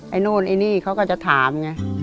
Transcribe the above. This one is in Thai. ไอ้นู่นไอ้นี่เขาก็จะถามไง